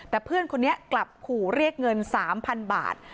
แต่เพื่อนคนนี้กลับขู่เรียกเงิน๓๐๐๐บาท